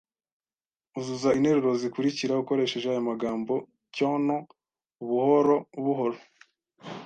Uzuza interuro zikurikira ukoresheje aya magambo: cyono, buhorobuhoro,